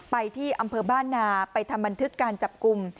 ไปที่อำเภอบ้านนาไปทำบันทึกการจับกลุ่ม